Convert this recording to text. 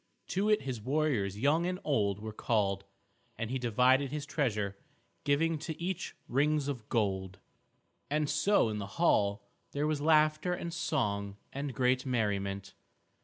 To it his warriors young and old were called, and he divided his treasure, giving to each rings of gold. And so in the hall there was laughter and song and great merriment.